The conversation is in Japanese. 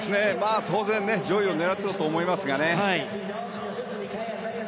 当然、上位を狙っていたと思いますけどね。